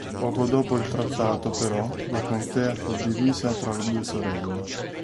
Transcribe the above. Poco dopo il trattato, però, la contea fu divisa tra le due sorelle.